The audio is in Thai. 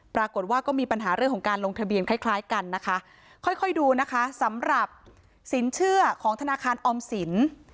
ปรากฏว่าก็มีปัญหาเรื่องของการลงทะเบียนคล้ายคล้ายกันนะคะค่อยค่อยดูนะคะสำหรับสินเชื่อของธนาคารออมสิน